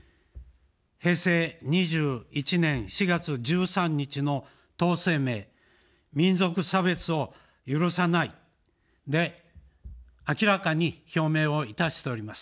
平成２１年４月１３日の党声明、民族差別を許さない、で明らかに表明をいたしております。